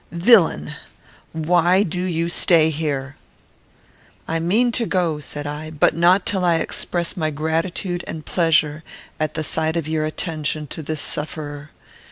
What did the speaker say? villain! why do you stay here?" "I mean to go," said I, "but not till I express my gratitude and pleasure at the sight of your attention to this sufferer.